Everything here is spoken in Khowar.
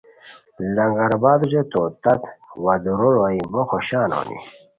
لنگر آباد اوچے تو تت وا دُورو روئے بو خوشان ہونی